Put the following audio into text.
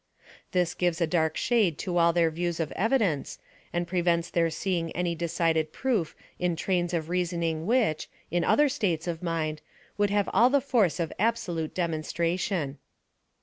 This giver a dark shade to all their views of' evidence, ard prevents their seeing any decided proof in trains of reasoning which, in other states of mind, would have all the force of absolute demonstration.